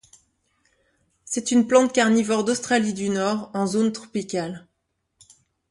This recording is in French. C'est une plante carnivore d'Australie du Nord, en zone tropicale.